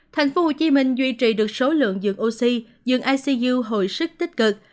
thành phố hồ chí minh duy trì được số lượng dường oxy dường icu hồi sức tích cực